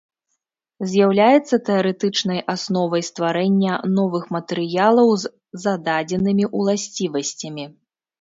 З'яўляецца тэарэтычнай асновай стварэння новых матэрыялаў з зададзенымі ўласцівасцямі.